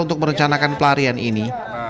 untuk merencanakan pelarian ini